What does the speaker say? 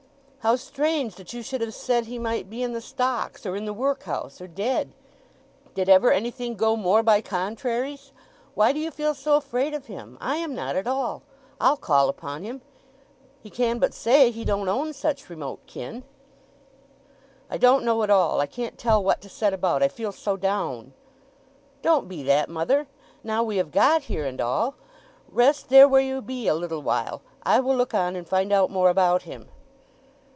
How strange that you should have said he might be in the stocks, or in the workhouse, or dead! Did ever anything go more by contraries! Why do you feel so afraid of him? I am not at all; I'll call upon him—he can but say he don't own such remote kin." "I don't know at all—I can't tell what to set about. I feel so down." "Don't be that, mother, now we have got here and all! Rest there where you be a little while—I will look on and find out more about him."